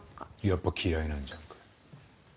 やっぱ嫌いなんじゃんか。